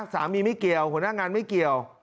ไม่เกี่ยวหัวหน้างานไม่เกี่ยว